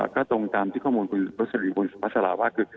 ก็ตรงตามที่ข้อมูลคุณโรศนีคุณพัฒนาว่าคือ